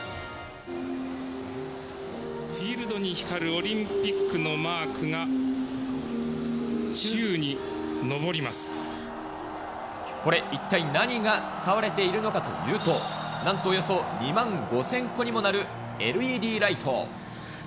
フィールドに光るオリンピックのマークが、これ、一体何が使われているのかというと、なんとおよそ２万５０００個にもなるＬＥＤライト。